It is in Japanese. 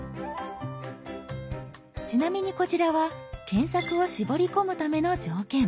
ちなみにこちらは検索を絞り込むための条件。